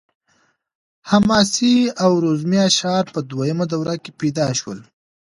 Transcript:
حماسي او رزمي اشعار په دویمه دوره کې پیدا شول.